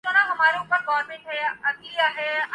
ادھر افغانستان میں بھی ایک گروہ نے خود کو داعش قرار دے